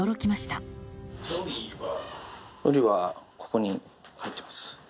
のりはここに入ってます。